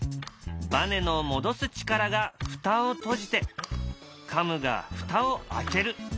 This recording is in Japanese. ばねの戻す力が蓋を閉じてカムが蓋を開ける。